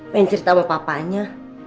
pengen cerita sama papanya